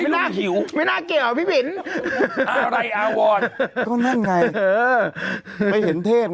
เออไอ้ลุงหิวไม่น่าเกี่ยวพี่บินอะไรอาวรดิ์ก็นั่นไงเออไปเห็นเทพ